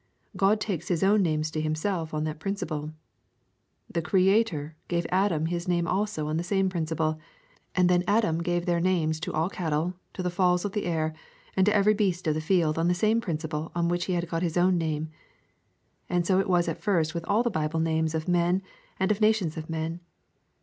God takes His own names to Himself on that principle. The Creator gave Adam his name also on that same principle; and then Adam gave their names to all cattle, to the fowls of the air, and to every beast of the field on the same principle on which he had got his own name. And so it was at first with all the Bible names of men and of nations of men.